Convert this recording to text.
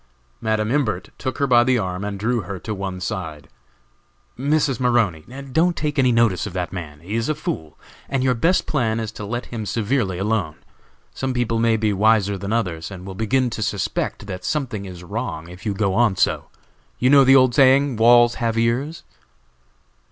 Madam Imbert took her by the arm and drew her to one side. "Mrs. Maroney, don't take any notice of that man. He is a fool, and your best plan is to let him severely alone. Some people may be wiser than others, and will begin to suspect that something is wrong if you go on so. You know the old saying: 'Walls have ears?'"